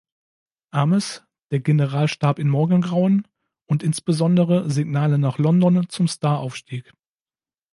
Ames", "Der General starb im Morgengrauen" und insbesondere "Signale nach London" zum Star aufstieg.